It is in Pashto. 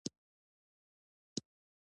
د تایید لړۍ ستاسو د عزم ثبوت دی.